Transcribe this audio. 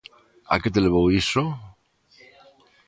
A que te levou iso?